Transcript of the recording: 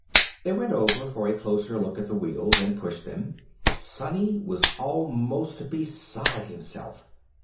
They went over for a closer look at the wheels, and pushed them. Sonny was almost beside himself.